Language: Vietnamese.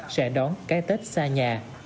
sẽ đón cái tết xa nhà